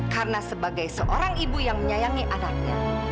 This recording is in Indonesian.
karena sebagai seorang ibu yang menyayangi anaknya